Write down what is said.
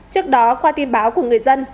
trước đó qua tin báo của người dân